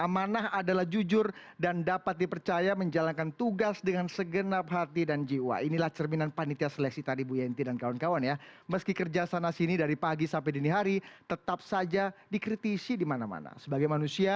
amanah adalah jujur dan dapat dipercaya menjalankan tugas dengan segenar kebenaran